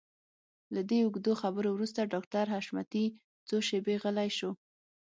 له دې اوږدو خبرو وروسته ډاکټر حشمتي څو شېبې غلی شو.